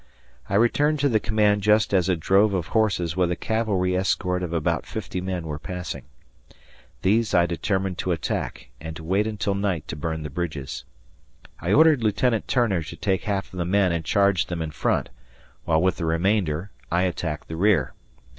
I returned to the command just as a drove of horses with a cavalry escort of about 50 men were passing. These I determined to attack and to wait until night to burn the bridges. I ordered Lieutenant Turner to take half of the men and charge them in front, while with the remainder I attacked their rear.